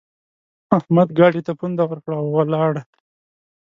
احمد ګاډي ته پونده ورکړه؛ او ولاړ.